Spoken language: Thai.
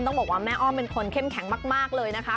ต้องบอกว่าแม่อ้อมเป็นคนเข้มแข็งมากเลยนะคะ